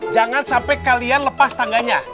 jangan sampai kalian lepas tangganya